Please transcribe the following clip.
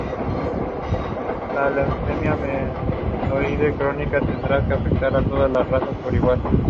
Estuvo envuelto en aspectos de la geopolítica peronista respecto al Cono Sur y Brasil.